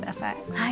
はい。